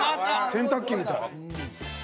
洗濯機みたい。